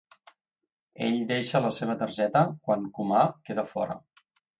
Ell deixa la seva targeta quan Kumar queda fora.